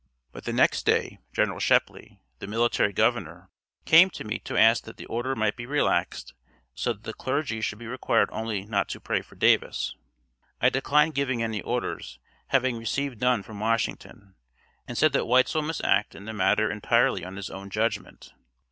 But the next day General Shepley, the military governor, came to me to ask that the order might be relaxed so that the clergy should be required only not to pray for Davis. I declined giving any orders, having received none from Washington, and said that Weitzel must act in the matter entirely on his own judgment.